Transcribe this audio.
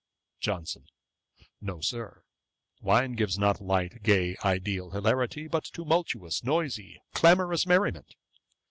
JOHNSON. 'No, Sir; wine gives not light, gay, ideal hilarity; but tumultuous, noisy, clamorous merriment.